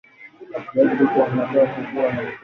viazi lishe pia vinaweza kuvunwa kwa mkono